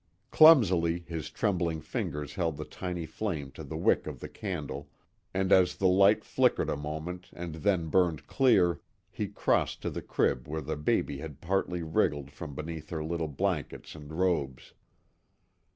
Clumsily his trembling fingers held the tiny flame to the wick of the candle, and as the light flickered a moment and then burned clear, he crossed to the crib where the baby had partly wriggled from beneath her little blankets and robes.